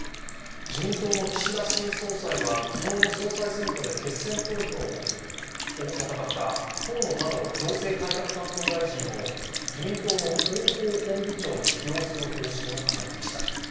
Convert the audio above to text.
自民党の岸田新総裁は昨日の総裁選挙で決選投票を戦った河野太郎行政改革担当大臣を自民党の広報本部長に起用する方針を固めました。